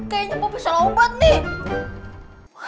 kayanya pomi salah obat nih